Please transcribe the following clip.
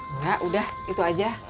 enggak udah itu aja